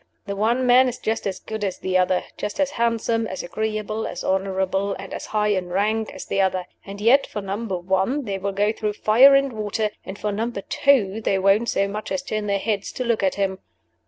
The one man is just as good as the other; just as handsome, as agreeable, as honorable, and as high in rank as the other. And yet for Number One they will go through fire and water, and for Number Two they won't so much as turn their heads to look at him.